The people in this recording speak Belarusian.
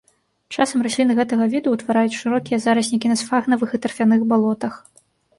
Часам расліны гэтага віду ўтвараюць шырокія зараснікі на сфагнавых і тарфяных балотах.